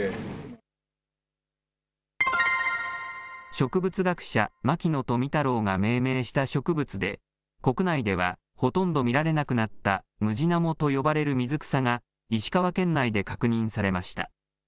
植物学者、牧野富太郎が命名した植物で国内ではほとんど見られなくなったムジナモと呼ばれる水草が石川県内で確認されました。